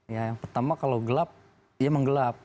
ya yang pertama kalau gelap ya menggelap